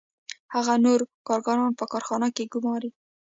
هغه نور کارګران په کارخانه کې ګوماري